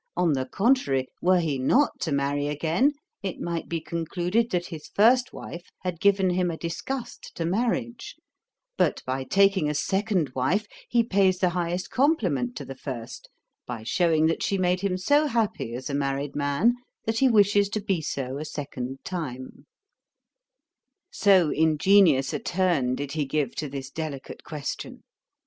On the contrary, were he not to marry again, it might be concluded that his first wife had given him a disgust to marriage; but by taking a second wife he pays the highest compliment to the first, by shewing that she made him so happy as a married man, that he wishes to be so a second time.' So ingenious a turn did he give to this delicate question.